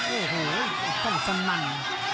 โอ้โหต้องสนั่น